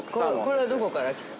◆これはどこから来たの？